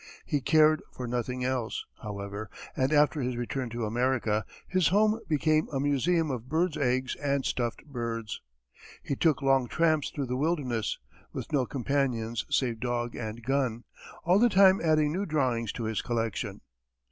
He cared for nothing else, however, and after his return to America, his home became a museum of birds' eggs and stuffed birds. He took long tramps through the wilderness, with no companions save dog and gun, all the time adding new drawings to his collection.